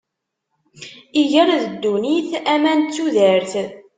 Iger d ddunit, aman d tudert.